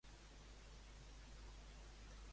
I si em dius el telèfon de la biblioteca?